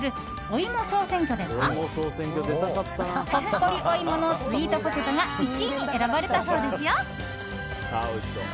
お芋総選挙ではほっこりおいものスイートポテトが１位に選ばれたそうですよ。